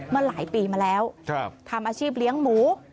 มาหลายปีมาแล้วทำอาชีพเลี้ยงหมู